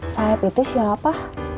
saeb itu siapa